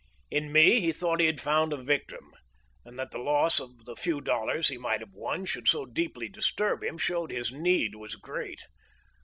In me he thought he had found a victim; and that the loss of the few dollars he might have won should so deeply disturb him showed his need was great.